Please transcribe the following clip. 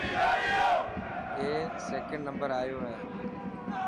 اي سڪنڊ نمبر آيو هي.